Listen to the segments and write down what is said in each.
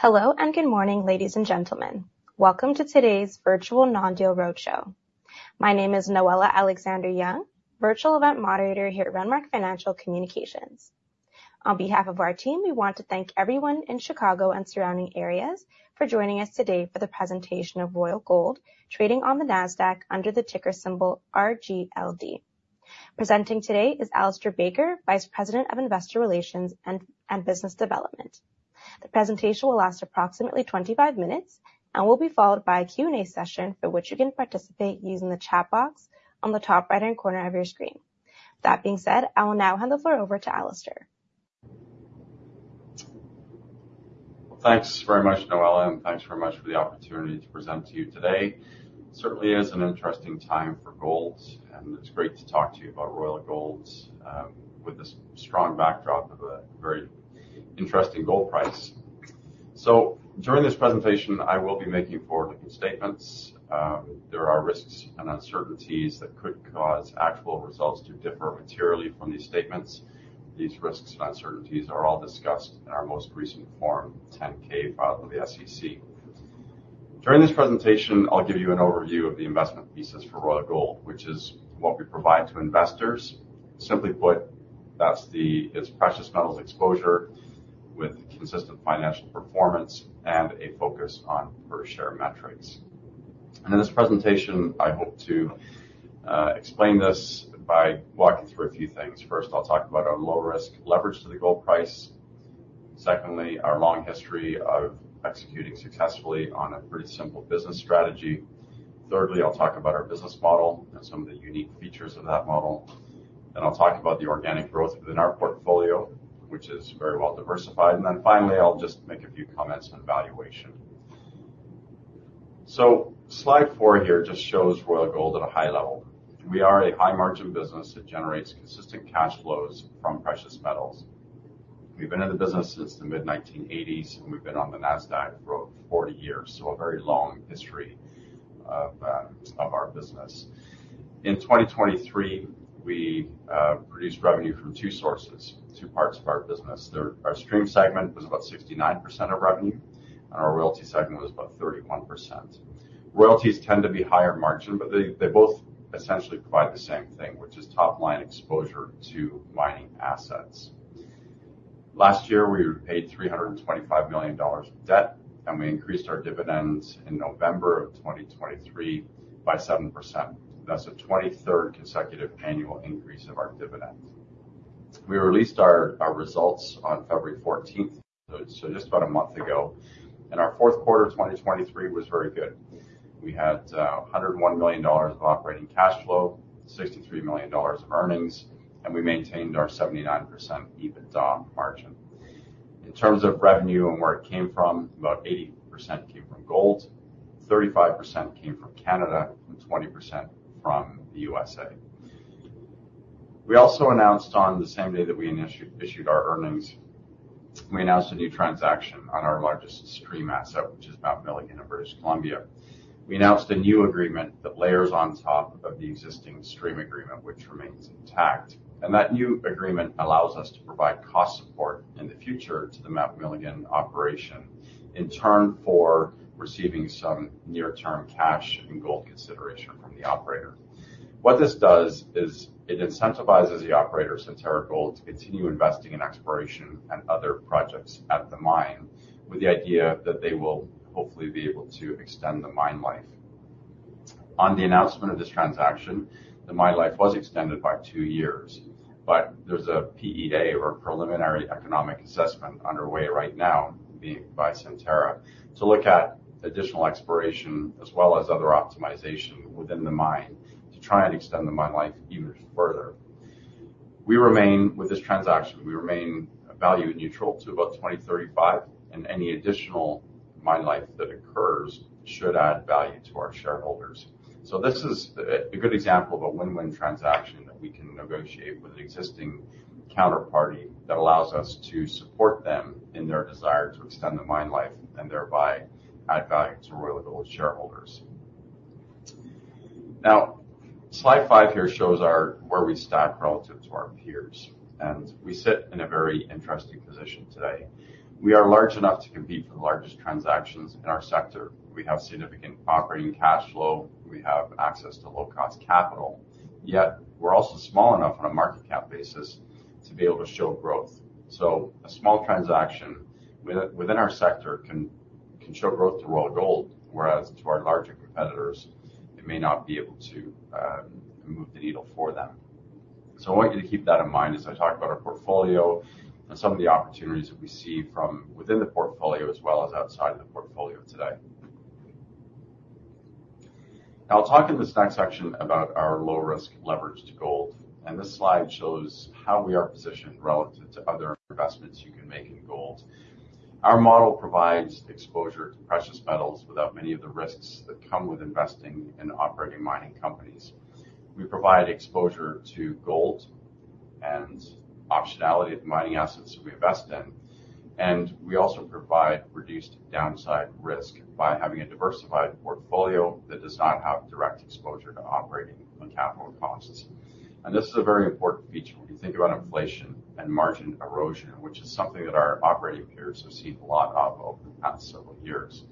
Hello and good morning, ladies and gentlemen. Welcome to today's virtual non-deal roadshow. My name is Noella Alexander-Young, virtual event moderator here at Renmark Financial Communications. On behalf of our team, we want to thank everyone in Chicago and surrounding areas for joining us today for the presentation of Royal Gold trading on the NASDAQ under the ticker symbol RGLD. Presenting today is Alistair Baker, Vice President of Investor Relations and Business Development. The presentation will last approximately 25 minutes and will be followed by a Q&A session for which you can participate using the chat box on the top right-hand corner of your screen. That being said, I will now hand the floor over to Alistair. Thanks very much, Noella, and thanks very much for the opportunity to present to you today. Certainly is an interesting time for gold, and it's great to talk to you about Royal Gold with this strong backdrop of a very interesting gold price. During this presentation, I will be making forward-looking statements. There are risks and uncertainties that could cause actual results to differ materially from these statements. These risks and uncertainties are all discussed in our most recent Form 10-K, filed with the SEC. During this presentation, I'll give you an overview of the investment thesis for Royal Gold, which is what we provide to investors. Simply put, it's precious metals exposure with consistent financial performance and a focus on per-share metrics. In this presentation, I hope to explain this by walking through a few things. First, I'll talk about our low-risk leverage to the gold price. Secondly, our long history of executing successfully on a pretty simple business strategy. Thirdly, I'll talk about our business model and some of the unique features of that model. Then I'll talk about the organic growth within our portfolio, which is very well diversified. And then finally, I'll just make a few comments on valuation. So slide four here just shows Royal Gold at a high level. We are a high-margin business that generates consistent cash flows from precious metals. We've been in the business since the mid-1980s, and we've been on the NASDAQ for over 40 years, so a very long history of our business. In 2023, we produced revenue from two sources, two parts of our business. Our stream segment was about 69% of revenue, and our royalty segment was about 31%. Royalties tend to be higher margin, but they both essentially provide the same thing, which is top-line exposure to mining assets. Last year, we paid $325 million in debt, and we increased our dividends in November of 2023 by 7%. That's a 23rd consecutive annual increase of our dividends. We released our results on February 14th, so just about a month ago, and our fourth quarter of 2023 was very good. We had $101 million of operating cash flow, $63 million of earnings, and we maintained our 79% EBITDA margin. In terms of revenue and where it came from, about 80% came from gold, 35% came from Canada, and 20% from the USA. We also announced on the same day that we issued our earnings, we announced a new transaction on our largest stream asset, which is Mount Milligan in British Columbia. We announced a new agreement that layers on top of the existing stream agreement, which remains intact. That new agreement allows us to provide cost support in the future to the Mount Milligan operation, in turn for receiving some near-term cash and gold consideration from the operator. What this does is it incentivizes the operator, Centerra Gold, to continue investing in exploration and other projects at the mine, with the idea that they will hopefully be able to extend the mine life. On the announcement of this transaction, the mine life was extended by two years, but there's a PEA, or Preliminary Economic Assessment, underway right now by Centerra to look at additional exploration as well as other optimization within the mine to try and extend the mine life even further. With this transaction, we remain value neutral to about 2035, and any additional mine life that occurs should add value to our shareholders. So this is a good example of a win-win transaction that we can negotiate with an existing counterparty that allows us to support them in their desire to extend the mine life and thereby add value to Royal Gold's shareholders. Now, slide five here shows where we stand relative to our peers, and we sit in a very interesting position today. We are large enough to compete for the largest transactions in our sector. We have significant operating cash flow. We have access to low-cost capital. Yet, we're also small enough on a market cap basis to be able to show growth. A small transaction within our sector can show growth to Royal Gold, whereas to our larger competitors, it may not be able to move the needle for them. I want you to keep that in mind as I talk about our portfolio and some of the opportunities that we see from within the portfolio as well as outside of the portfolio today. Now, I'll talk in this next section about our low-risk leverage to gold. This slide shows how we are positioned relative to other investments you can make in gold. Our model provides exposure to precious metals without many of the risks that come with investing in operating mining companies. We provide exposure to gold and optionality of the mining assets that we invest in, and we also provide reduced downside risk by having a diversified portfolio that does not have direct exposure to operating capital costs. This is a very important feature when you think about inflation and margin erosion, which is something that our operating peers have seen a lot of over the past several years.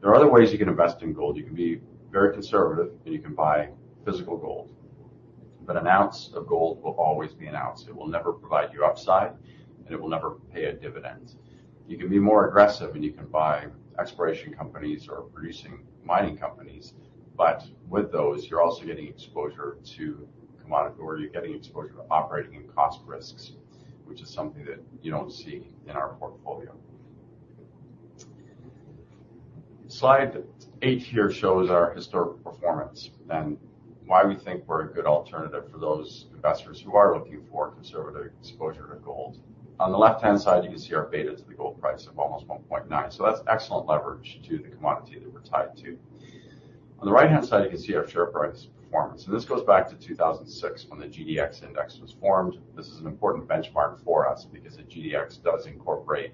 There are other ways you can invest in gold. You can be very conservative, and you can buy physical gold. But an ounce of gold will always be an ounce. It will never provide you upside, and it will never pay a dividend. You can be more aggressive, and you can buy exploration companies or producing mining companies. But with those, you're also getting exposure to commodity or you're getting exposure to operating and cost risks, which is something that you don't see in our portfolio. Slide eight here shows our historic performance and why we think we're a good alternative for those investors who are looking for conservative exposure to gold. On the left-hand side, you can see our beta to the gold price of almost 1.9. So that's excellent leverage to the commodity that we're tied to. On the right-hand side, you can see our share price performance. And this goes back to 2006 when the GDX index was formed. This is an important benchmark for us because the GDX does incorporate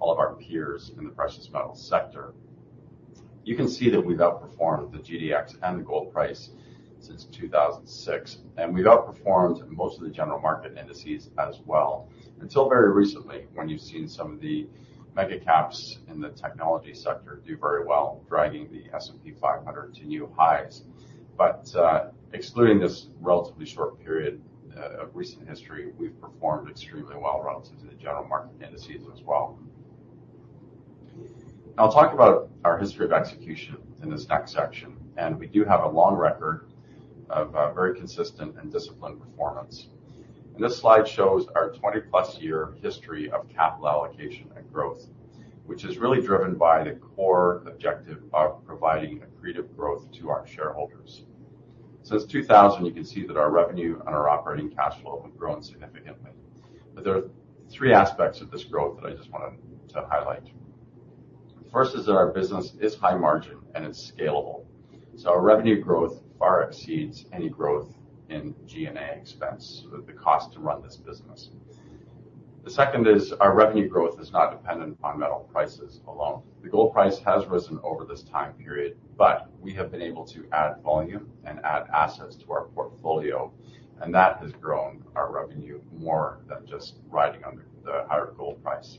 all of our peers in the precious metals sector. You can see that we've outperformed the GDX and the gold price since 2006, and we've outperformed most of the general market indices as well, until very recently when you've seen some of the mega-caps in the technology sector do very well, dragging the S&P 500 to new highs. But excluding this relatively short period of recent history, we've performed extremely well relative to the general market indices as well. Now, I'll talk about our history of execution in this next section. We do have a long record of very consistent and disciplined performance. This slide shows our 20+ year history of capital allocation and growth, which is really driven by the core objective of providing accretive growth to our shareholders. Since 2000, you can see that our revenue and our operating cash flow have grown significantly. But there are three aspects of this growth that I just want to highlight. The first is that our business is high-margin, and it's scalable. So our revenue growth far exceeds any growth in G&A expense, the cost to run this business. The second is our revenue growth is not dependent upon metal prices alone. The gold price has risen over this time period, but we have been able to add volume and add assets to our portfolio, and that has grown our revenue more than just riding on the higher gold price.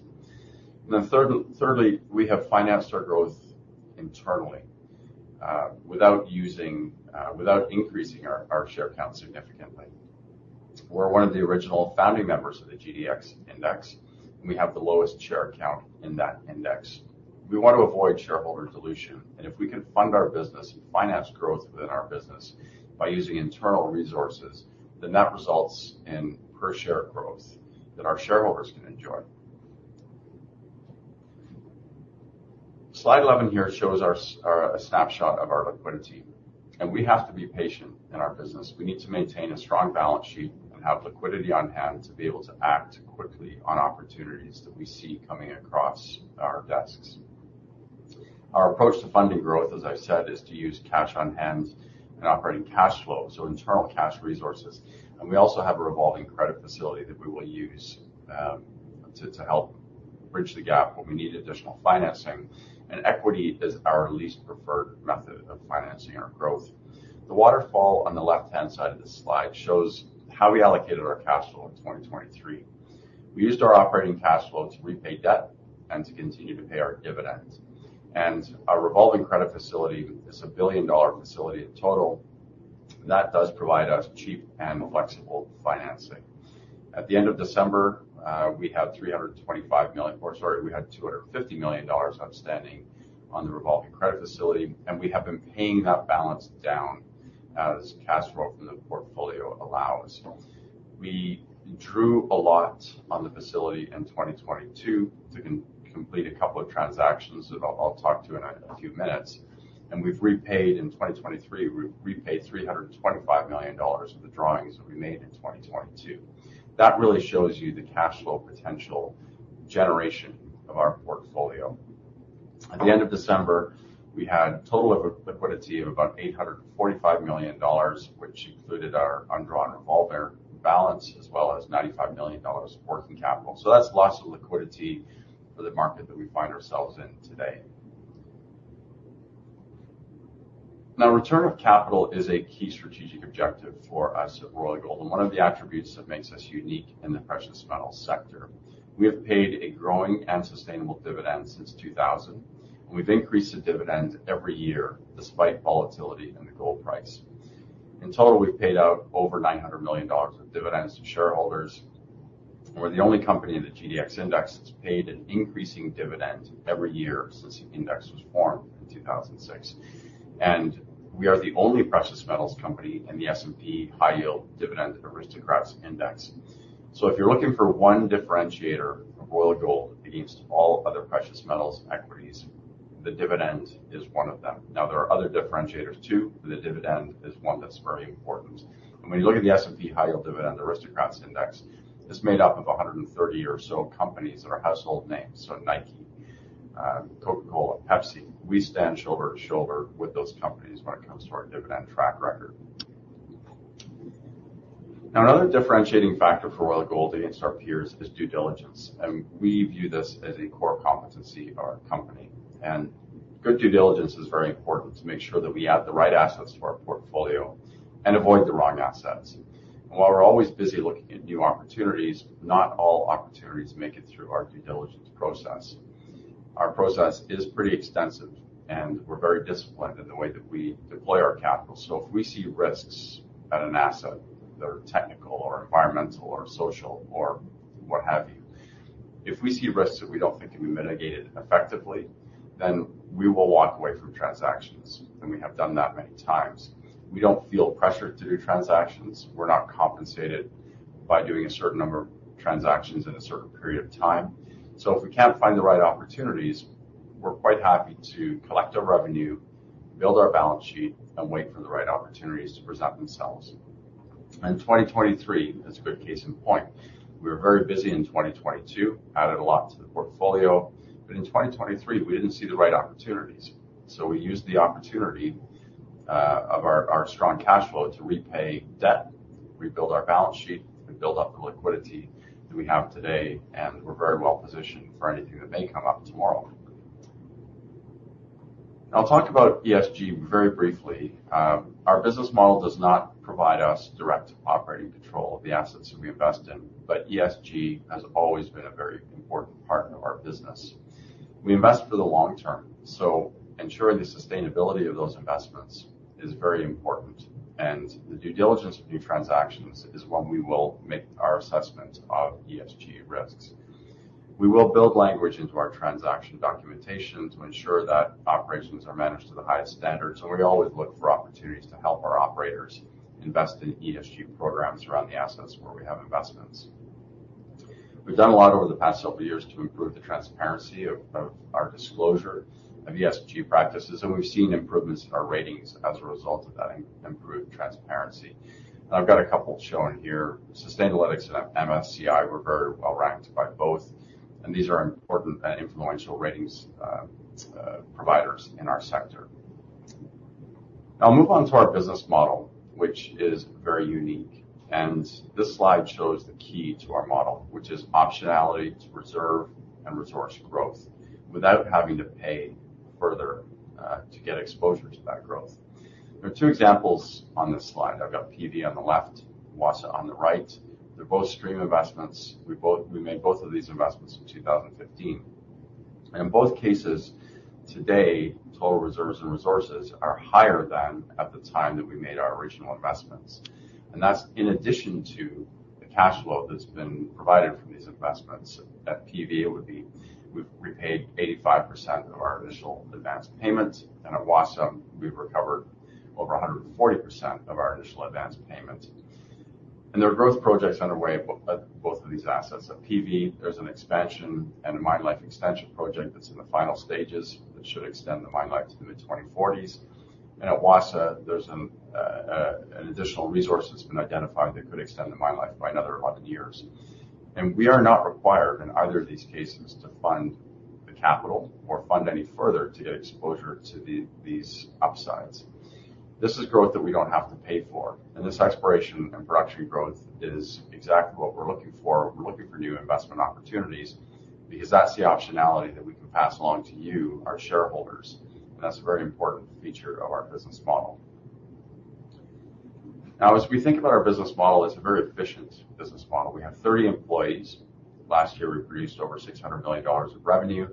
And then thirdly, we have financed our growth internally without increasing our share count significantly. We're one of the original founding members of the GDX index, and we have the lowest share count in that index. We want to avoid shareholder dilution. If we can fund our business and finance growth within our business by using internal resources, then that results in per-share growth that our shareholders can enjoy. Slide 11 here shows a snapshot of our liquidity. We have to be patient in our business. We need to maintain a strong balance sheet and have liquidity on hand to be able to act quickly on opportunities that we see coming across our desks. Our approach to funding growth, as I've said, is to use cash on hand and operating cash flow, so internal cash resources. We also have a revolving credit facility that we will use to help bridge the gap when we need additional financing. Equity is our least preferred method of financing our growth. The waterfall on the left-hand side of this slide shows how we allocated our cash flow in 2023. We used our operating cash flow to repay debt and to continue to pay our dividends. Our revolving credit facility is a billion-dollar facility in total. That does provide us cheap and flexible financing. At the end of December, we had $325 million or sorry $250 million outstanding on the revolving credit facility, and we have been paying that balance down as cash flow from the portfolio allows. We drew a lot on the facility in 2022 to complete a couple of transactions that I'll talk to in a few minutes. We've repaid in 2023, we've repaid $325 million of the drawings that we made in 2022. That really shows you the cash flow potential generation of our portfolio. At the end of December, we had a total of liquidity of about $845 million, which included our undrawn revolver balance as well as $95 million of working capital. So that's lots of liquidity for the market that we find ourselves in today. Now, return of capital is a key strategic objective for us at Royal Gold, and one of the attributes that makes us unique in the precious metals sector. We have paid a growing and sustainable dividend since 2000, and we've increased the dividend every year despite volatility in the gold price. In total, we've paid out over $900 million of dividends to shareholders. And we're the only company in the GDX index that's paid an increasing dividend every year since the index was formed in 2006. And we are the only precious metals company in the S&P High Yield Dividend Aristocrats Index. So if you're looking for one differentiator of Royal Gold against all other precious metals equities, the dividend is one of them. Now, there are other differentiators too, but the dividend is one that's very important. When you look at the S&P High Yield Dividend Aristocrats Index, it's made up of 130 or so companies that are household names, so Nike, Coca-Cola, Pepsi. We stand shoulder to shoulder with those companies when it comes to our dividend track record. Now, another differentiating factor for Royal Gold against our peers is due diligence. We view this as a core competency of our company. Good due diligence is very important to make sure that we add the right assets to our portfolio and avoid the wrong assets. While we're always busy looking at new opportunities, not all opportunities make it through our due diligence process. Our process is pretty extensive, and we're very disciplined in the way that we deploy our capital. So if we see risks at an asset, that are technical or environmental or social or what have you, if we see risks that we don't think can be mitigated effectively, then we will walk away from transactions. And we have done that many times. We don't feel pressured to do transactions. We're not compensated by doing a certain number of transactions in a certain period of time. So if we can't find the right opportunities, we're quite happy to collect our revenue, build our balance sheet, and wait for the right opportunities to present themselves. And 2023 is a good case in point. We were very busy in 2022, added a lot to the portfolio. But in 2023, we didn't see the right opportunities. So we used the opportunity of our strong cash flow to repay debt, rebuild our balance sheet, and build up the liquidity that we have today. We're very well-positioned for anything that may come up tomorrow. Now, I'll talk about ESG very briefly. Our business model does not provide us direct operating control of the assets that we invest in, but ESG has always been a very important part of our business. We invest for the long term, so ensuring the sustainability of those investments is very important. The due diligence of new transactions is when we will make our assessment of ESG risks. We will build language into our transaction documentation to ensure that operations are managed to the highest standards. We always look for opportunities to help our operators invest in ESG programs around the assets where we have investments. We've done a lot over the past several years to improve the transparency of our disclosure of ESG practices, and we've seen improvements in our ratings as a result of that improved transparency. And I've got a couple shown here. Sustainalytics and MSCI, we're very well-ranked by both, and these are important and influential ratings providers in our sector. Now, I'll move on to our business model, which is very unique. And this slide shows the key to our model, which is optionality to reserve and resource growth without having to pay further to get exposure to that growth. There are two examples on this slide. I've got PV on the left, Wassa on the right. They're both stream investments. We made both of these investments in 2015. And in both cases, today, total reserves and resources are higher than at the time that we made our original investments. And that's in addition to the cash flow that's been provided from these investments. At PV, we've repaid 85% of our initial advance payment. At Wassa, we've recovered over 140% of our initial advance payment. There are growth projects underway at both of these assets. At PV, there's an expansion and a mine life extension project that's in the final stages that should extend the mine life to the mid-2040s. At Wassa, there's an additional resource that's been identified that could extend the mine life by another 11 years. We are not required in either of these cases to fund the capital or fund any further to get exposure to these upsides. This is growth that we don't have to pay for. This exploration and production growth is exactly what we're looking for. We're looking for new investment opportunities because that's the optionality that we can pass along to you, our shareholders. That's a very important feature of our business model. Now, as we think about our business model, it's a very efficient business model. We have 30 employees. Last year, we produced over $600 million of revenue,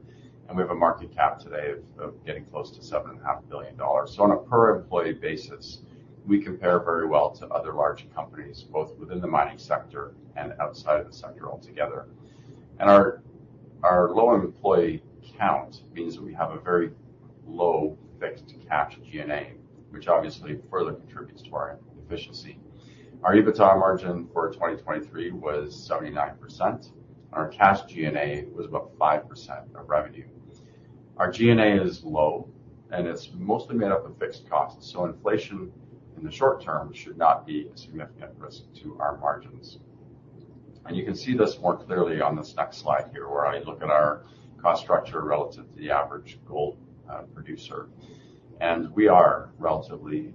and we have a market cap today of getting close to $7.5 billion. On a per-employee basis, we compare very well to other large companies, both within the mining sector and outside of the sector altogether. Our low employee count means that we have a very low fixed cash G&A, which obviously further contributes to our efficiency. Our EBITDA margin for 2023 was 79%, and our cash G&A was about 5% of revenue. Our G&A is low, and it's mostly made up of fixed costs. So inflation in the short term should not be a significant risk to our margins. You can see this more clearly on this next slide here where I look at our cost structure relative to the average gold producer. We are relatively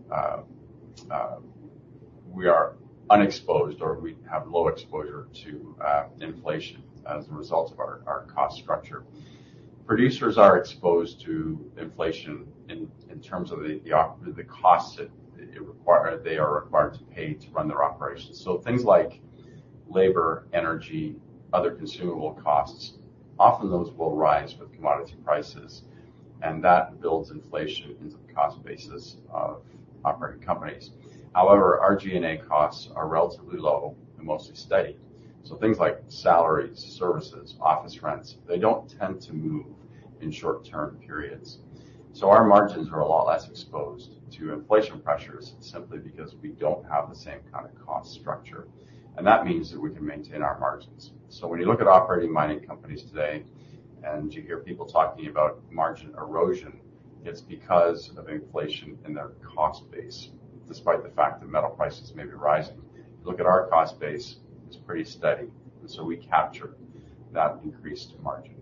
unexposed, or we have low exposure to inflation as a result of our cost structure. Producers are exposed to inflation in terms of the costs that they are required to pay to run their operations. Things like labor, energy, other consumable costs, often those will rise with commodity prices, and that builds inflation into the cost basis of operating companies. However, our G&A costs are relatively low and mostly steady. Things like salaries, services, office rents, they don't tend to move in short-term periods. So our margins are a lot less exposed to inflation pressures simply because we don't have the same kind of cost structure. And that means that we can maintain our margins. So when you look at operating mining companies today and you hear people talking about margin erosion, it's because of inflation in their cost base, despite the fact that metal prices may be rising. You look at our cost base, it's pretty steady. And so we capture that increased margin.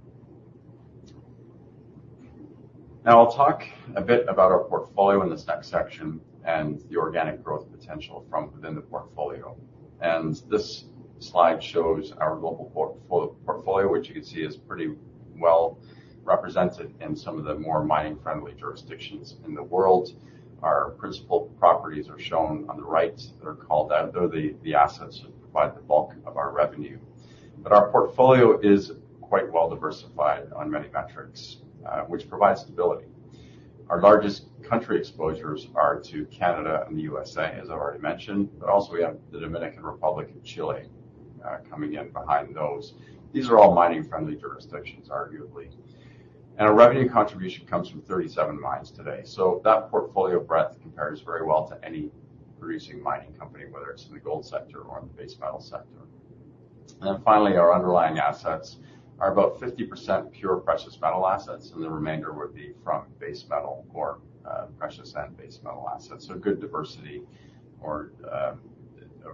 Now, I'll talk a bit about our portfolio in this next section and the organic growth potential from within the portfolio. And this slide shows our global portfolio, which you can see is pretty well represented in some of the more mining-friendly jurisdictions in the world. Our principal properties are shown on the right. They're called out. They're the assets that provide the bulk of our revenue. But our portfolio is quite well-diversified on many metrics, which provides stability. Our largest country exposures are to Canada and the USA, as I've already mentioned. But also, we have the Dominican Republic and Chile coming in behind those. These are all mining-friendly jurisdictions, arguably. And our revenue contribution comes from 37 mines today. So that portfolio breadth compares very well to any producing mining company, whether it's in the gold sector or in the base metal sector. And then finally, our underlying assets are about 50% pure precious metal assets, and the remainder would be from base metal or precious and base metal assets. So good diversity of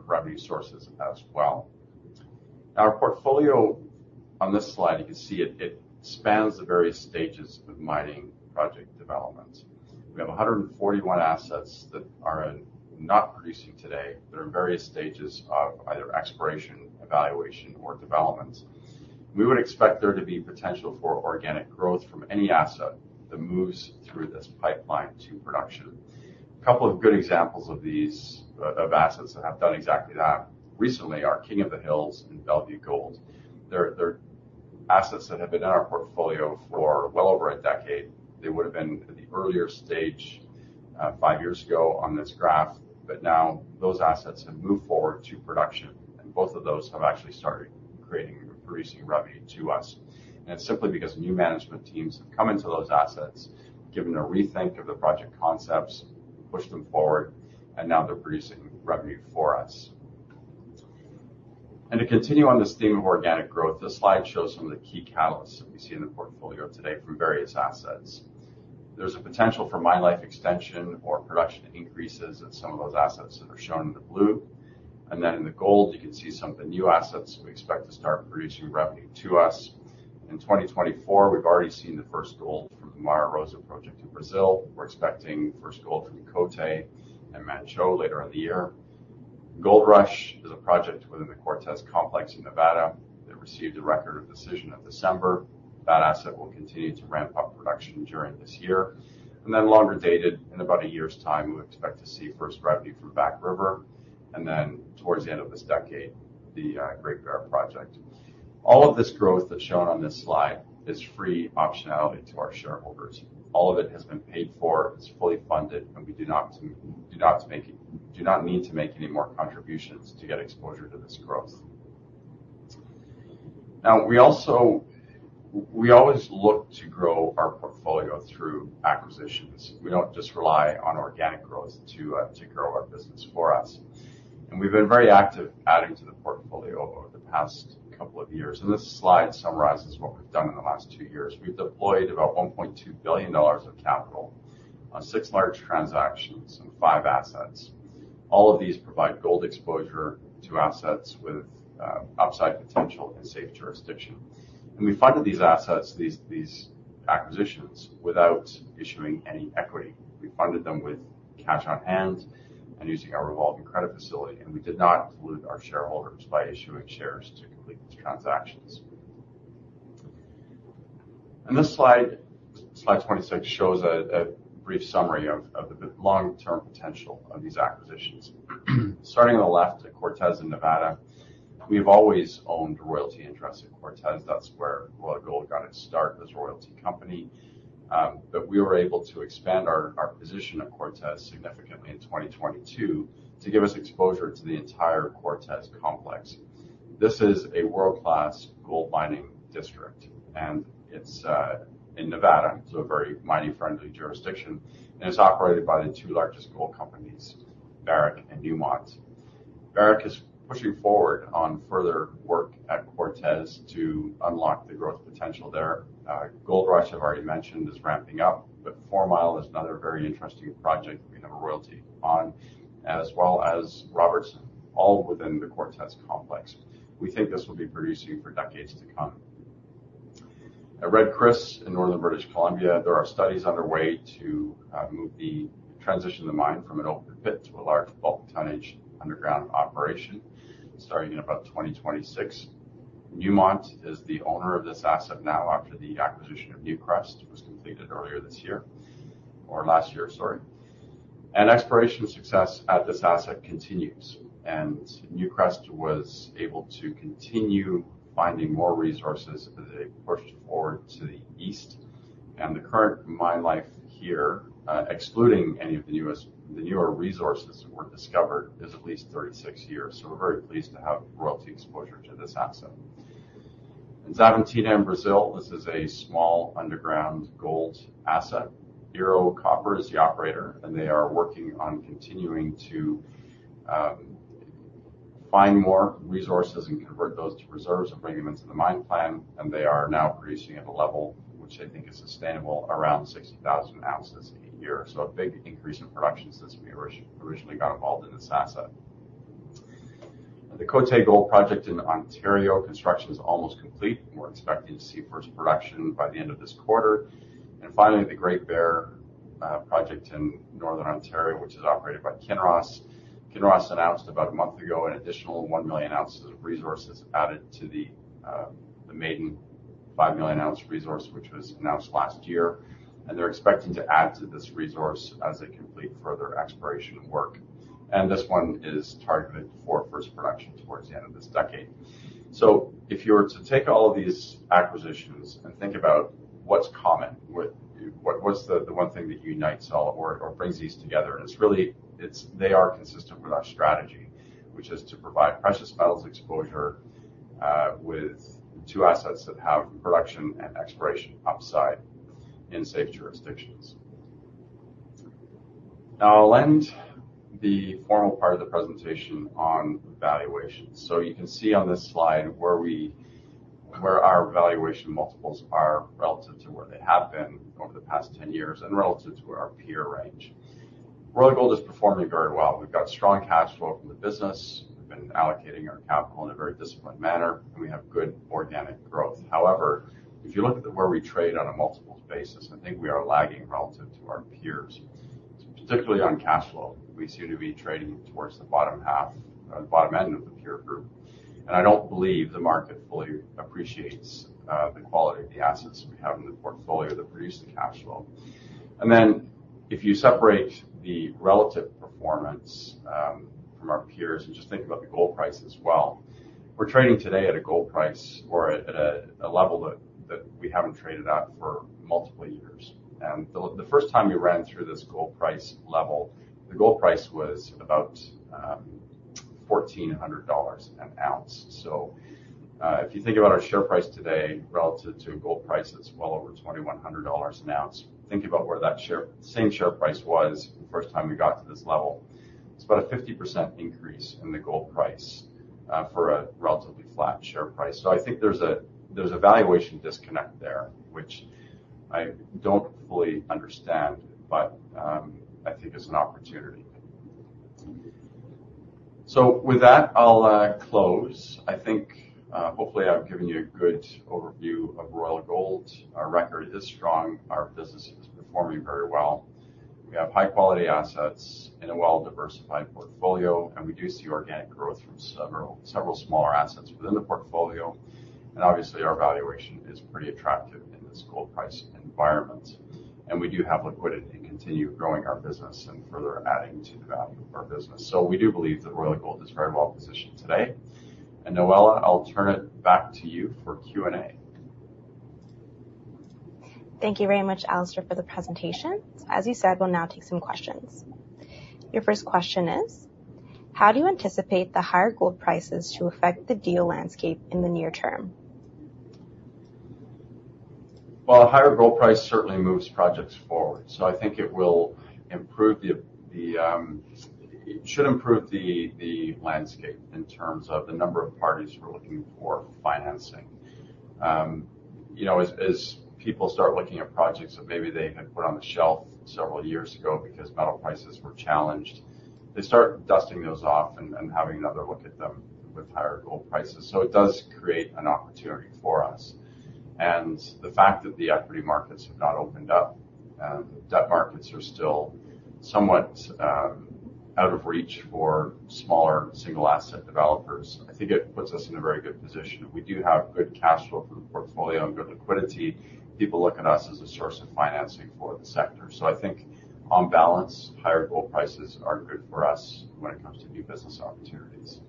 revenue sources as well. Now, our portfolio on this slide, you can see it spans the various stages of mining project developments. We have 141 assets that are not producing today that are in various stages of either exploration, evaluation, or development. We would expect there to be potential for organic growth from any asset that moves through this pipeline to production. A couple of good examples of assets that have done exactly that recently are King of the Hills and Bellevue Gold. They're assets that have been in our portfolio for well over a decade. They would have been at the earlier stage five years ago on this graph. But now, those assets have moved forward to production, and both of those have actually started creating and producing revenue to us. It's simply because new management teams have come into those assets, given a rethink of the project concepts, pushed them forward, and now they're producing revenue for us. To continue on this theme of organic growth, this slide shows some of the key catalysts that we see in the portfolio today from various assets. There's a potential for mine life extension or production increases in some of those assets that are shown in the blue. And then in the gold, you can see some of the new assets we expect to start producing revenue to us. In 2024, we've already seen the first gold from the Mara Rosa project in Brazil. We're expecting first gold from Côté and Manh Choh later in the year. Gold Rush is a project within the Cortez Complex in Nevada that received a record of decision in December. That asset will continue to ramp up production during this year. Then longer dated, in about a year's time, we expect to see first revenue from Back River and then towards the end of this decade, the Great Bear project. All of this growth that's shown on this slide is free optionality to our shareholders. All of it has been paid for. It's fully funded, and we do not need to make any more contributions to get exposure to this growth. Now, we always look to grow our portfolio through acquisitions. We don't just rely on organic growth to grow our business for us. We've been very active adding to the portfolio over the past couple of years. This slide summarizes what we've done in the last two years. We've deployed about $1.2 billion of capital on six large transactions and five assets. All of these provide gold exposure to assets with upside potential in safe jurisdiction. We funded these acquisitions without issuing any equity. We funded them with cash on hand and using our revolving credit facility. We did not dilute our shareholders by issuing shares to complete these transactions. This slide, slide 26, shows a brief summary of the long-term potential of these acquisitions. Starting on the left at Cortez in Nevada, we have always owned royalty interests at Cortez. That's where Royal Gold got its start as a royalty company. But we were able to expand our position at Cortez significantly in 2022 to give us exposure to the entire Cortez Complex. This is a world-class gold mining district, and it's in Nevada, so a very mining-friendly jurisdiction. It's operated by the two largest gold companies, Barrick and Newmont. Barrick is pushing forward on further work at Cortez to unlock the growth potential there. Gold Rush, I've already mentioned, is ramping up. But Four Mile is another very interesting project that we have a royalty on, as well as Robertson, all within the Cortez Complex. We think this will be producing for decades to come. At Red Chris in Northern British Columbia, there are studies underway to move the transition of the mine from an open pit to a large bulk tonnage underground operation starting in about 2026. Newmont is the owner of this asset now after the acquisition of Newcrest was completed earlier this year or last year, sorry. Exploration success at this asset continues. Newcrest was able to continue finding more resources as they pushed forward to the east. The current mine life here, excluding any of the newer resources that were discovered, is at least 36 years. So we're very pleased to have royalty exposure to this asset. In Xavantina in Brazil, this is a small underground gold asset. Ero Copper is the operator, and they are working on continuing to find more resources and convert those to reserves and bring them into the mine plan. And they are now producing at a level which they think is sustainable, around 60,000 ounces a year. So a big increase in production since we originally got involved in this asset. The Côté Gold project in Ontario. Construction is almost complete. We're expecting to see first production by the end of this quarter. And finally, the Great Bear project in Northern Ontario, which is operated by Kinross. Kinross announced about a month ago an additional 1 million ounces of resources added to the maiden 5 million ounce resource, which was announced last year. And they're expecting to add to this resource as they complete further exploration work. This one is targeted for first production towards the end of this decade. So if you were to take all of these acquisitions and think about what's common, what's the one thing that unites all or brings these together? It's really they are consistent with our strategy, which is to provide precious metals exposure with two assets that have production and exploration upside in safe jurisdictions. Now, I'll end the formal part of the presentation on valuation. You can see on this slide where our valuation multiples are relative to where they have been over the past 10 years and relative to our peer range. Royal Gold is performing very well. We've got strong cash flow from the business. We've been allocating our capital in a very disciplined manner, and we have good organic growth. However, if you look at where we trade on a multiples basis, I think we are lagging relative to our peers, particularly on cash flow. We seem to be trading towards the bottom half or the bottom end of the peer group. I don't believe the market fully appreciates the quality of the assets we have in the portfolio that produce the cash flow. Then if you separate the relative performance from our peers and just think about the gold price as well, we're trading today at a gold price or at a level that we haven't traded at for multiple years. The first time we ran through this gold price level, the gold price was about $1,400 an ounce. So if you think about our share price today relative to a gold price that's well over $2,100 an ounce, think about where that same share price was the first time we got to this level. It's about a 50% increase in the gold price for a relatively flat share price. So I think there's a valuation disconnect there, which I don't fully understand, but I think it's an opportunity. So with that, I'll close. I think hopefully I've given you a good overview of Royal Gold. Our record is strong. Our business is performing very well. We have high-quality assets in a well-diversified portfolio, and we do see organic growth from several smaller assets within the portfolio. And obviously, our valuation is pretty attractive in this gold price environment. And we do have liquidity to continue growing our business and further adding to the value of our business. We do believe that Royal Gold is very well positioned today. Noella, I'll turn it back to you for Q&A. Thank you very much, Alistair, for the presentation. As you said, we'll now take some questions. Your first question is, how do you anticipate the higher gold prices to affect the deal landscape in the near term? Well, a higher gold price certainly moves projects forward. So I think it should improve the landscape in terms of the number of parties we're looking for financing. As people start looking at projects that maybe they had put on the shelf several years ago because metal prices were challenged, they start dusting those off and having another look at them with higher gold prices. So it does create an opportunity for us. And the fact that the equity markets have not opened up and debt markets are still somewhat out of reach for smaller single-asset developers, I think it puts us in a very good position. We do have good cash flow for the portfolio and good liquidity. People look at us as a source of financing for the sector. So I think on balance, higher gold prices are good for us when it comes to new business opportunities.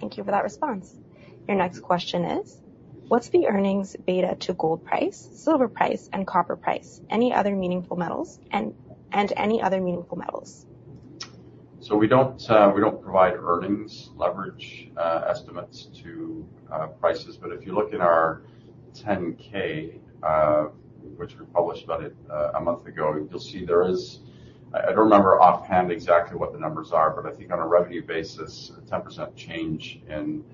Thank you for that response. Your next question is, what's the earnings beta to gold price, silver price, and copper price, and any other meaningful metals? So we don't provide earnings leverage estimates to prices. But if you look in our 10-K, which we published about a month ago, you'll see there is, I don't remember offhand exactly what the numbers are, but I think on a revenue basis, a 10% change in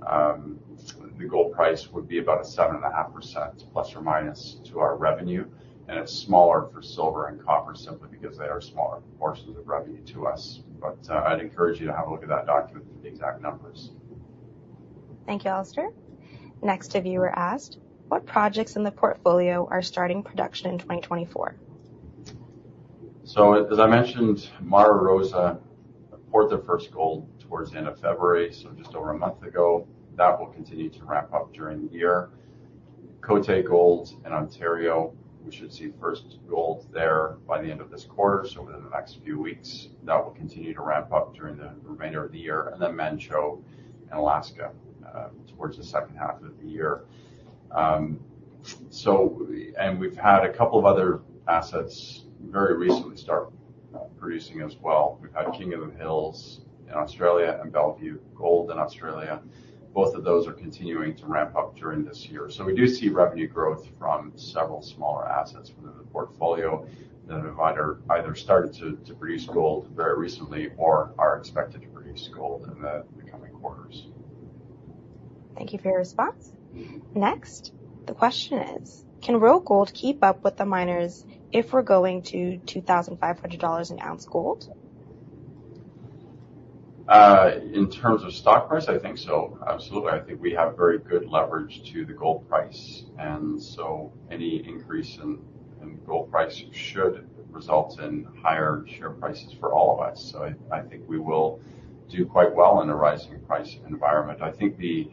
the gold price would be about a 7.5% ± to our revenue. And it's smaller for silver and copper simply because they are smaller proportions of revenue to us. But I'd encourage you to have a look at that document for the exact numbers. Thank you, Alistair. Next viewer asked, What projects in the portfolio are starting production in 2024? So as I mentioned, Mara Rosa poured their first gold towards the end of February, so just over a month ago. That will continue to ramp up during the year. Côté Gold in Ontario, we should see first gold there by the end of this quarter, so within the next few weeks. That will continue to ramp up during the remainder of the year. And then Manh Choh in Alaska towards the second half of the year. And we've had a couple of other assets very recently start producing as well. We've had King of the Hills in Australia and Bellevue Gold in Australia. Both of those are continuing to ramp up during this year. So we do see revenue growth from several smaller assets within the portfolio that have either started to produce gold very recently or are expected to produce gold in the coming quarters. Thank you for your response. Next, the question is, Can Royal Gold keep up with the miners if we're going to $2,500 an ounce gold? In terms of stock price, I think so, absolutely. I think we have very good leverage to the gold price. And so any increase in gold price should result in higher share prices for all of us. So I think we will do quite well in a rising price environment. I think the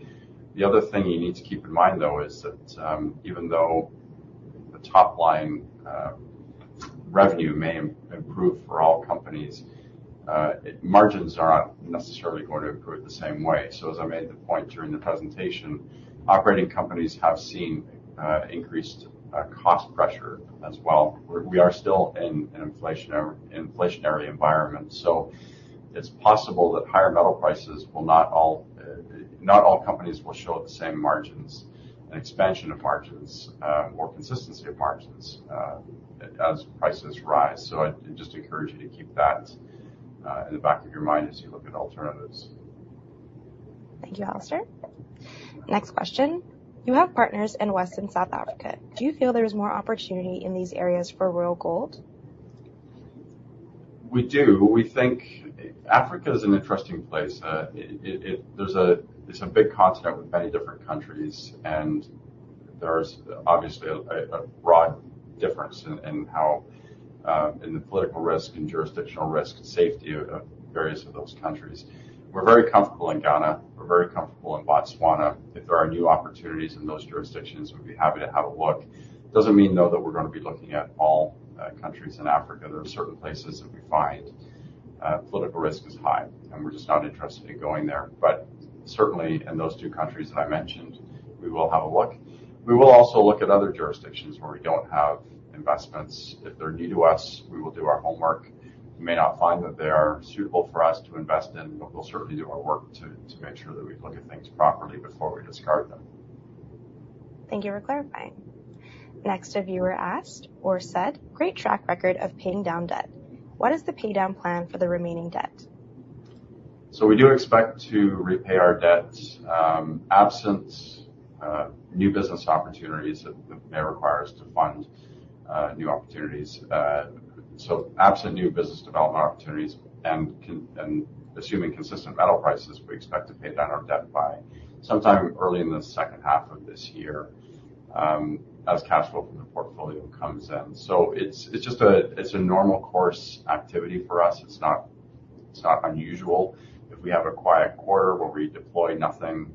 other thing you need to keep in mind, though, is that even though the top-line revenue may improve for all companies, margins are not necessarily going to improve the same way. So as I made the point during the presentation, operating companies have seen increased cost pressure as well. We are still in an inflationary environment. So it's possible that higher metal prices will not all companies will show the same margins, an expansion of margins, or consistency of margins as prices rise. I just encourage you to keep that in the back of your mind as you look at alternatives. Thank you, Alistair. Next question. You have partners in West and South Africa. Do you feel there is more opportunity in these areas for Royal Gold? We do. We think Africa is an interesting place. It's a big continent with many different countries, and there's obviously a broad difference in the political risk, in jurisdictional risk, and safety of various of those countries. We're very comfortable in Ghana. We're very comfortable in Botswana. If there are new opportunities in those jurisdictions, we'd be happy to have a look. It doesn't mean, though, that we're going to be looking at all countries in Africa. There are certain places that we find political risk is high, and we're just not interested in going there. But certainly, in those two countries that I mentioned, we will have a look. We will also look at other jurisdictions where we don't have investments. If they're new to us, we will do our homework. We may not find that they are suitable for us to invest in, but we'll certainly do our work to make sure that we look at things properly before we discard them. Thank you for clarifying. Next viewer asked or said, "Great track record of paying down debt. What is the paydown plan for the remaining debt? We do expect to repay our debt absent new business opportunities that may require us to fund new opportunities. Absent new business development opportunities and assuming consistent metal prices, we expect to pay down our debt by sometime early in the second half of this year as cash flow from the portfolio comes in. It's just a normal course activity for us. It's not unusual. If we have a quiet quarter where we deploy nothing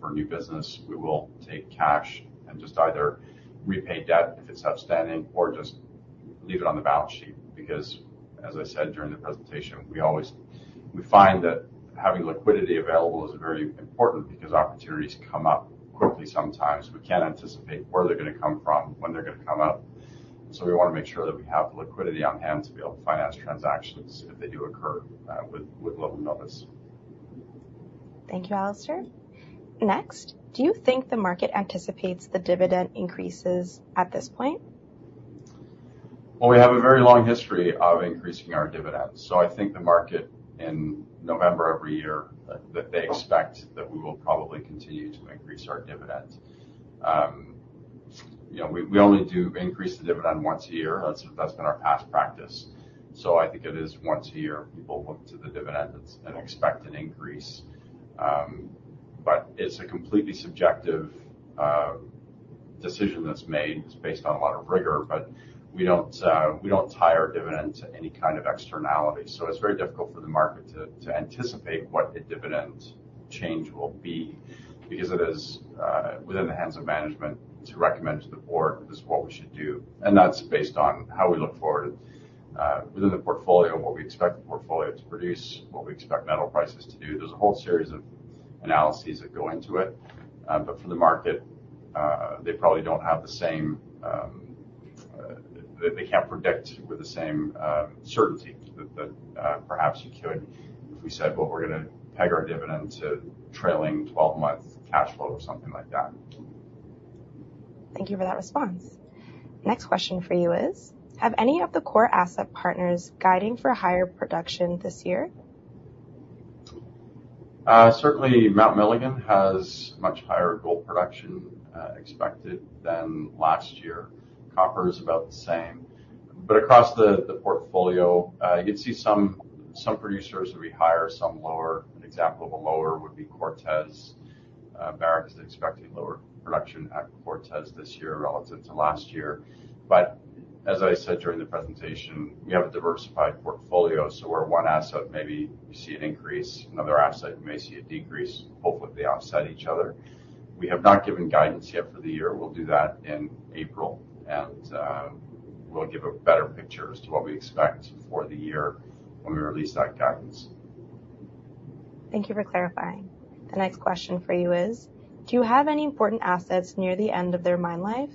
for new business, we will take cash and just either repay debt if it's outstanding or just leave it on the balance sheet. Because, as I said during the presentation, we find that having liquidity available is very important because opportunities come up quickly sometimes. We can't anticipate where they're going to come from, when they're going to come up. We want to make sure that we have liquidity on hand to be able to finance transactions if they do occur with little notice. Thank you, Alistair. Next, do you think the market anticipates the dividend increases at this point? Well, we have a very long history of increasing our dividends. So I think the market in November every year that they expect that we will probably continue to increase our dividend. We only do increase the dividend once a year. That's been our past practice. So I think it is once a year people look to the dividend and expect an increase. But it's a completely subjective decision that's made. It's based on a lot of rigor. But we don't tie our dividend to any kind of externality. So it's very difficult for the market to anticipate what a dividend change will be because it is within the hands of management to recommend to the board this is what we should do. And that's based on how we look forward within the portfolio, what we expect the portfolio to produce, what we expect metal prices to do. There's a whole series of analyses that go into it. But for the market, they probably don't have the same, they can't predict with the same certainty that perhaps you could if we said, "Well, we're going to peg our dividend to trailing 12-month cash flow," or something like that. Thank you for that response. Next question for you is: Have any of the core asset partners guiding for higher production this year? Certainly, Mount Milligan has much higher gold production expected than last year. Copper is about the same. But across the portfolio, you'd see some producers that we higher, some lower. An example of a lower would be Cortez. Barrick is expecting lower production at Cortez this year relative to last year. But as I said during the presentation, we have a diversified portfolio. So where one asset maybe you see an increase, another asset you may see a decrease, hopefully they offset each other. We have not given guidance yet for the year. We'll do that in April, and we'll give a better picture as to what we expect for the year when we release that guidance. Thank you for clarifying. The next question for you is, do you have any important assets near the end of their mine life?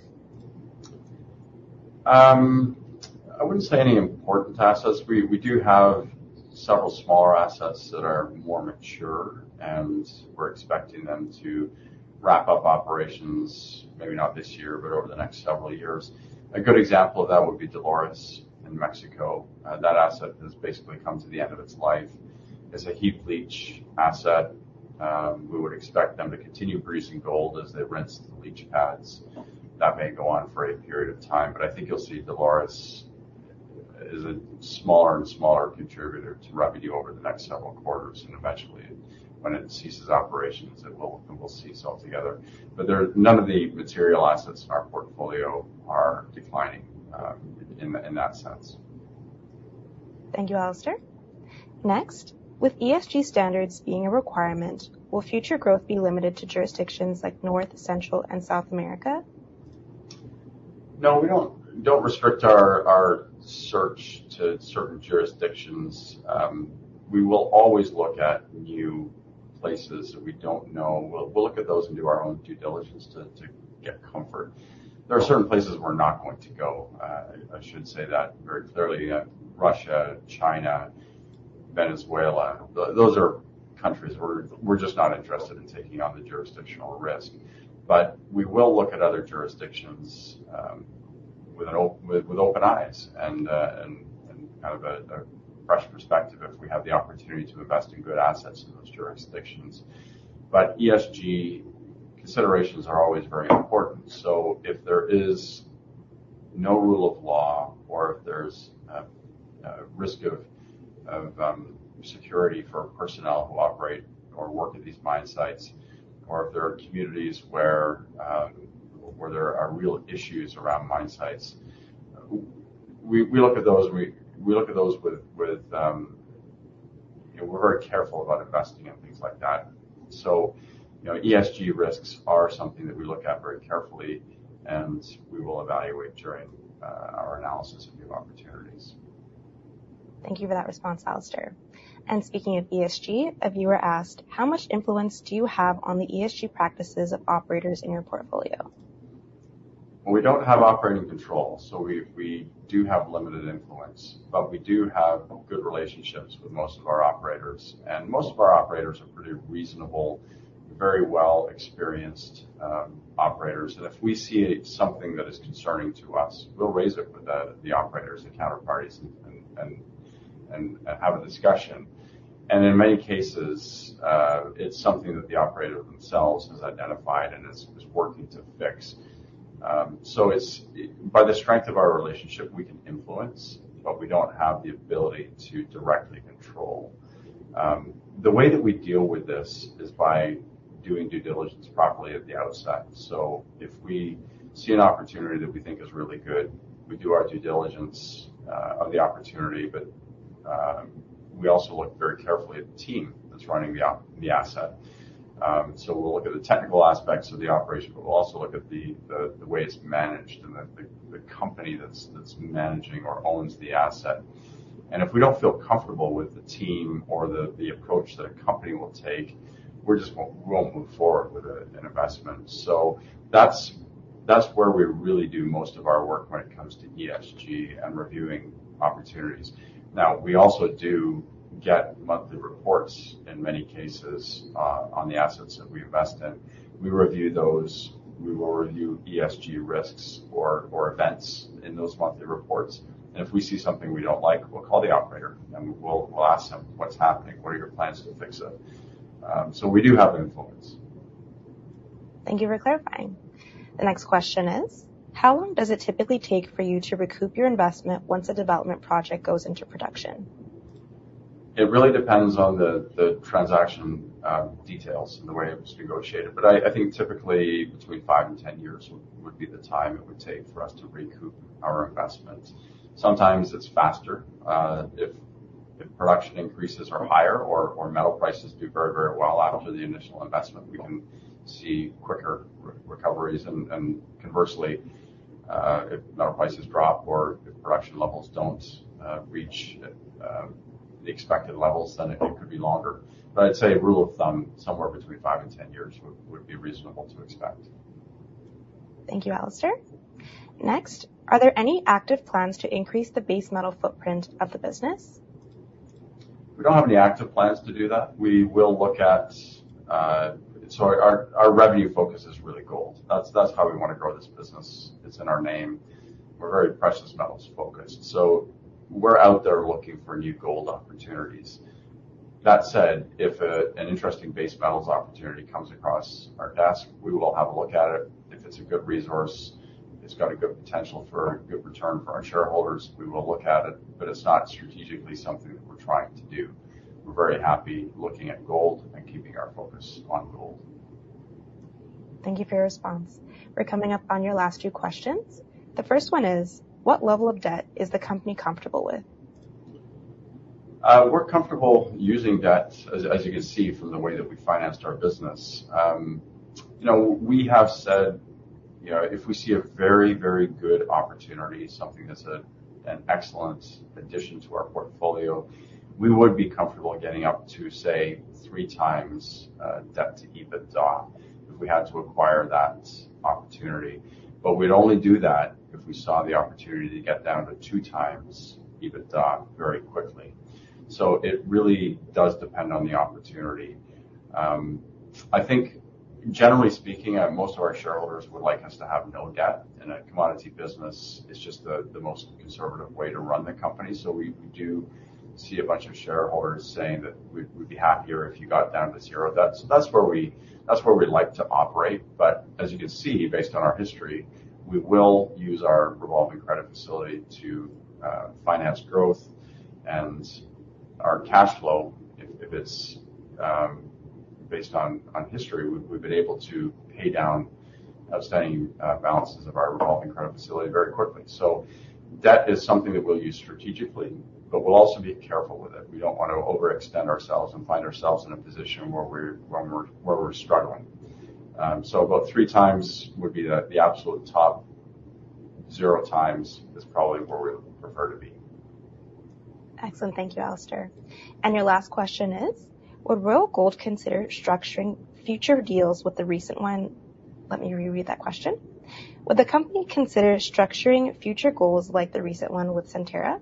I wouldn't say any important assets. We do have several smaller assets that are more mature, and we're expecting them to wrap up operations, maybe not this year, but over the next several years. A good example of that would be Dolores in Mexico. That asset has basically come to the end of its life. It's a heap leach asset. We would expect them to continue producing gold as they rinse the leach pads. That may go on for a period of time. But I think you'll see Dolores is a smaller and smaller contributor to revenue over the next several quarters. And eventually, when it ceases operations, we'll cease altogether. But none of the material assets in our portfolio are declining in that sense. Thank you, Alistair. Next, with ESG standards being a requirement, will future growth be limited to jurisdictions like North, Central, and South America? No, we don't restrict our search to certain jurisdictions. We will always look at new places that we don't know. We'll look at those and do our own due diligence to get comfort. There are certain places we're not going to go. I should say that very clearly: Russia, China, Venezuela. Those are countries we're just not interested in taking on the jurisdictional risk. But we will look at other jurisdictions with open eyes and kind of a fresh perspective if we have the opportunity to invest in good assets in those jurisdictions. But ESG considerations are always very important. So if there is no rule of law or if there's a risk of security for personnel who operate or work at these mine sites or if there are communities where there are real issues around mine sites, we look at those. We look at those. We're very careful about investing in things like that. So ESG risks are something that we look at very carefully, and we will evaluate during our analysis of new opportunities. Thank you for that response, Alistair. Speaking of ESG, a viewer asked, how much influence do you have on the ESG practices of operators in your portfolio? Well, we don't have operating control, so we do have limited influence. But we do have good relationships with most of our operators. And most of our operators are pretty reasonable, very well-experienced operators. And if we see something that is concerning to us, we'll raise it with the operators, the counterparties, and have a discussion. And in many cases, it's something that the operator themselves has identified and is working to fix. So by the strength of our relationship, we can influence, but we don't have the ability to directly control. The way that we deal with this is by doing due diligence properly at the outset. So if we see an opportunity that we think is really good, we do our due diligence of the opportunity. But we also look very carefully at the team that's running the asset. We'll look at the technical aspects of the operation, but we'll also look at the way it's managed and the company that's managing or owns the asset. If we don't feel comfortable with the team or the approach that a company will take, we won't move forward with an investment. That's where we really do most of our work when it comes to ESG and reviewing opportunities. Now, we also do get monthly reports, in many cases, on the assets that we invest in. We review those. We will review ESG risks or events in those monthly reports. If we see something we don't like, we'll call the operator, and we'll ask him, "What's happening? What are your plans to fix it?" We do have influence. Thank you for clarifying. The next question is, how long does it typically take for you to recoup your investment once a development project goes into production? It really depends on the transaction details and the way it was negotiated. But I think typically between five and 10 years would be the time it would take for us to recoup our investment. Sometimes it's faster. If production increases or higher or metal prices do very, very well after the initial investment, we can see quicker recoveries. And conversely, if metal prices drop or if production levels don't reach the expected levels, then it could be longer. But I'd say a rule of thumb, somewhere between five and 10 years, would be reasonable to expect. Thank you, Alistair. Next, are there any active plans to increase the base metal footprint of the business? We don't have any active plans to do that. We will look at. So our revenue focus is really gold. That's how we want to grow this business. It's in our name. We're very precious metals focused. So we're out there looking for new gold opportunities. That said, if an interesting base metals opportunity comes across our desk, we will have a look at it. If it's a good resource, it's got a good potential for a good return for our shareholders, we will look at it. But it's not strategically something that we're trying to do. We're very happy looking at gold and keeping our focus on gold. Thank you for your response. We're coming up on your last few questions. The first one is, what level of debt is the company comfortable with? We're comfortable using debt, as you can see from the way that we financed our business. We have said if we see a very, very good opportunity, something that's an excellent addition to our portfolio, we would be comfortable getting up to, say, 3x debt to EBITDA if we had to acquire that opportunity. But we'd only do that if we saw the opportunity to get down to 2x EBITDA very quickly. So it really does depend on the opportunity. I think, generally speaking, most of our shareholders would like us to have no debt. In a commodity business, it's just the most conservative way to run the company. So we do see a bunch of shareholders saying that we'd be happier if you got down to 0 debt. So that's where we like to operate. As you can see, based on our history, we will use our revolving credit facility to finance growth. Our cash flow, if it's based on history, we've been able to pay down outstanding balances of our revolving credit facility very quickly. Debt is something that we'll use strategically, but we'll also be careful with it. We don't want to overextend ourselves and find ourselves in a position where we're struggling. About three times would be the absolute top. Zero times is probably where we prefer to be. Excellent. Thank you, Alistair. Your last question is, would Royal Gold consider structuring future deals with the recent one let me reread that question. Would the company consider structuring future deals like the recent one with Centerra?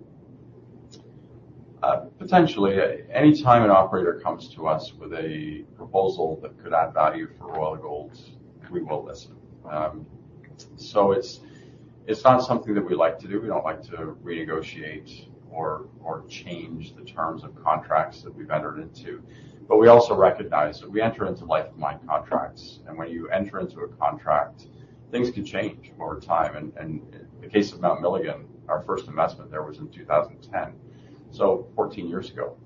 Potentially. Anytime an operator comes to us with a proposal that could add value for Royal Gold, we will listen. So it's not something that we like to do. We don't like to renegotiate or change the terms of contracts that we've entered into. But we also recognize that we enter into lifetime contracts. And when you enter into a contract, things can change over time. And in the case of Mount Milligan, our first investment there was in 2010, so 14 years ago.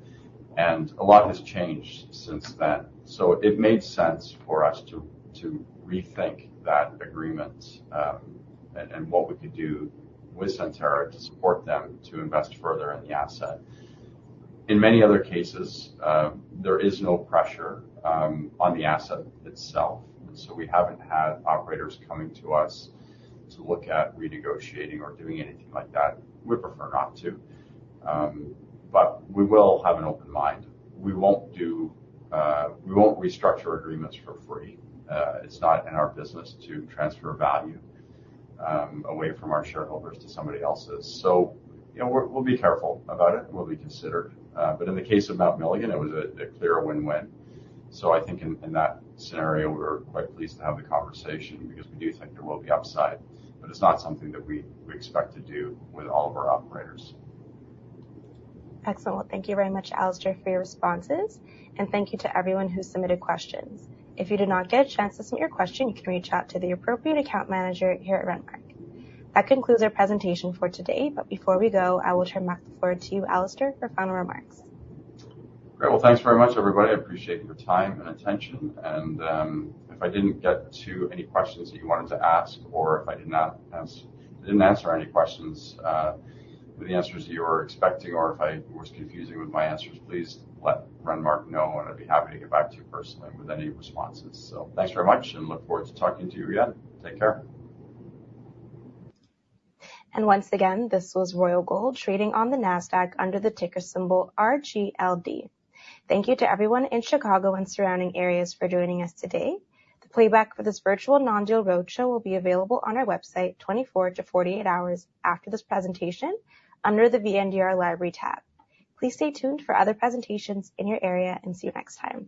And a lot has changed since then. So it made sense for us to rethink that agreement and what we could do with Centerra to support them to invest further in the asset. In many other cases, there is no pressure on the asset itself. And so we haven't had operators coming to us to look at renegotiating or doing anything like that. We'd prefer not to. But we will have an open mind. We won't restructure agreements for free. It's not in our business to transfer value away from our shareholders to somebody else's. So we'll be careful about it. We'll be considered. But in the case of Mount Milligan, it was a clear win-win. So I think in that scenario, we're quite pleased to have the conversation because we do think there will be upside. But it's not something that we expect to do with all of our operators. Excellent. Well, thank you very much, Alistair, for your responses. Thank you to everyone who submitted questions. If you did not get a chance to submit your question, you can reach out to the appropriate account manager here at Renmark. That concludes our presentation for today. But before we go, I will turn back the floor to you, Alistair, for final remarks. Great. Well, thanks very much, everybody. I appreciate your time and attention. And if I didn't get to any questions that you wanted to ask or if I didn't answer any questions with the answers that you were expecting or if I was confusing with my answers, please let Renmark know, and I'd be happy to get back to you personally with any responses. So thanks very much, and look forward to talking to you again. Take care. Once again, this was Royal Gold trading on the NASDAQ under the ticker symbol RGLD. Thank you to everyone in Chicago and surrounding areas for joining us today. The playback for this virtual non-deal roadshow will be available on our website 24-48 hours after this presentation under the VNDR Library tab. Please stay tuned for other presentations in your area and see you next time.